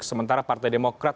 sementara partai demokrat